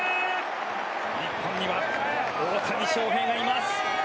日本には大谷翔平がいます。